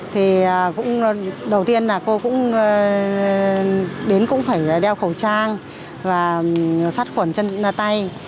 thì cũng đầu tiên là cô cũng đến cũng phải đeo khẩu trang và sát khuẩn chân tay